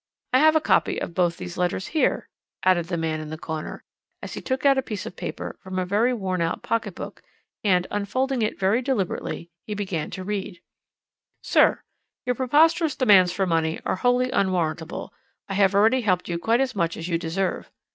I have a copy of both these letters here," added the man in the corner, as he took out a piece of paper from a very worn out pocket book, and, unfolding it very deliberately, he began to read: "'Sir, Your preposterous demands for money are wholly unwarrantable. I have already helped you quite as much as you deserve.